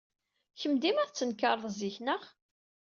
Kemm dima tettenkared zik, naɣ?